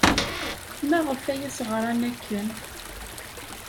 Maɣef ay as-ɣran akken?